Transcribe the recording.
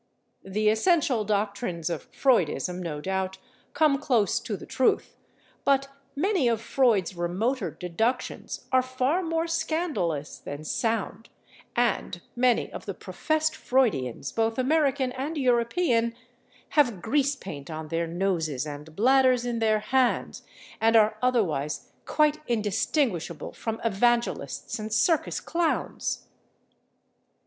The essential doctrines of Freudism, no doubt, come close to the truth, but many of Freud's remoter deductions are far more scandalous than sound, and many of the professed Freudians, both American and European, have grease paint on their noses and bladders in their hands and are otherwise quite indistinguishable from evangelists and circus clowns.